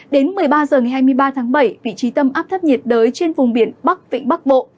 đến một mươi ba h ngày hai mươi ba tháng bảy vị trí tâm áp thấp nhiệt đới trên vùng biển bắc vịnh bắc bộ